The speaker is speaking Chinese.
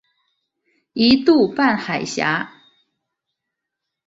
一度半海峡。